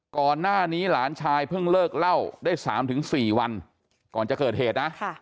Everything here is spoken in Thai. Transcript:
ก่อนหน้านี้หลานชายเพิ่งเลิกเล่าได้๓๔วันก่อนจะเกิดเหตุนะ